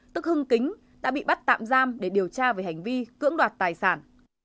tức hưng kính đã bị bắt tạm giam để điều tra về hành vi cưỡng đoạt tài sản